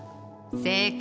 正解！